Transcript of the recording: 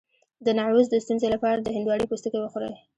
د نعوظ د ستونزې لپاره د هندواڼې پوستکی وخورئ